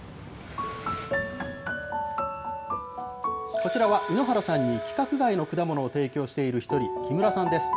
こちらは、猪原さんに規格外の果物を提供している一人、木村さんです。